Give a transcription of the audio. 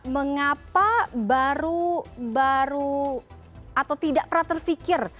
mengapa baru atau tidak pernah terfikir